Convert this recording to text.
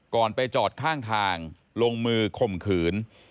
ไปจอดข้างทางลงมือข่มขืน